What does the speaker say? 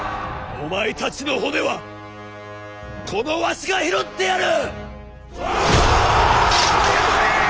お前たちの骨はこのわしが拾ってやる！